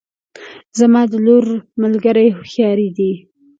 زما د لور ملګرې هوښیارې دي